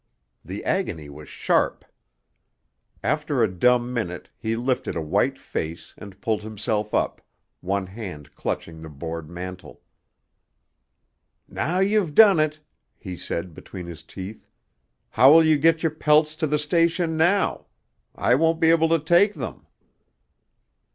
The agony was sharp. After a dumb minute he lifted a white face and pulled himself up, one hand clutching the board mantel. "Now you've done it!" he said between his teeth. "How will you get your pelts to the station now? I won't be able to take them."